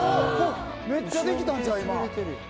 めっちゃできたんちゃう？